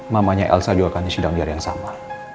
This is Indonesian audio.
mamanya elsa juga akan disidang di hari yang sama